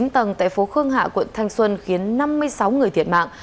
chín tầng tại phố khương hạ quận thanh xuân khiến năm mươi sáu người thiệt mạng